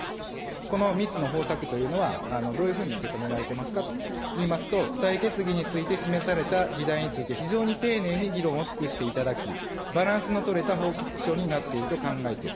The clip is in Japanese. この３つの方策というのは、どういうふうに受け止められているかといいますと、付帯決議について示された議題について、非常に丁寧に議論を尽くしていただき、バランスの取れた報告書になっていると考えている。